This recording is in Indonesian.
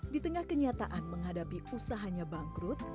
di tengah kenyataan menghadapi usahanya bangkrut